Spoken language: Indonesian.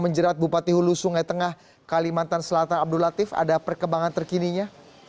menjerat bupati hulu sungai tengah kalimantan selatan abdul latif ada perkembangan terkininya